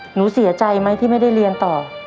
หนูเสียใจไหมที่ไม่ได้เรียนต่อ